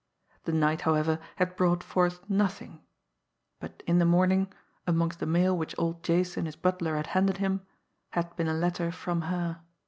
The night, however, had brought forth nothing; but in the morning, amongst the mail which old Jason, his butler, had handed him, had been a letter from her.